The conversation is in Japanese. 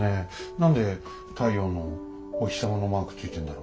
何で太陽のお日様のマークついてんだろ。